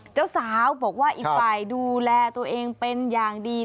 เจ้าสาวบอกว่าอีกฝ่ายดูแลตัวเองเป็นอย่างดี